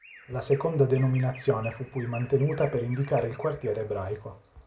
La seconda denominazione fu poi mantenuta per indicare il quartiere ebraico.